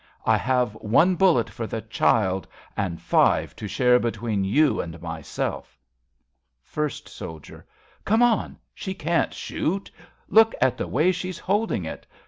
I have one bullet for the child and five To share between you and myself. First Soldier. Come on ! She can't shoot ! Look at the way she's holding it